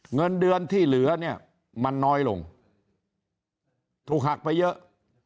เงินเดือนที่เหลือเนี่ยมันน้อยลงถูกหักไปเยอะ